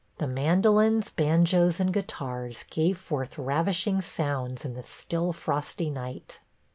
The mandolins, banjos, and guitars gave forth ravishing sounds in the still frosty night.